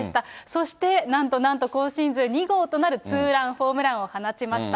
そして、なんとなんと今シーズン２号となるツーランホームランを放ちました。